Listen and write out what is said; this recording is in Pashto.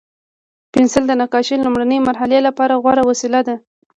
پنسل د نقاشۍ لومړني مرحلې لپاره غوره وسیله ده.